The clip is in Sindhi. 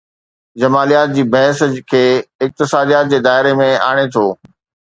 جماليات جي بحث کي اقتصاديات جي دائري ۾ آڻي ٿو.